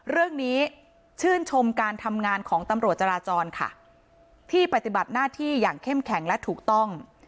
เรื่องนี้ชื่นชมการทำงานของตำรวจจราจรค่ะที่ปฏิบัติหน้าที่อย่างเข้มแข็งและถูกต้อง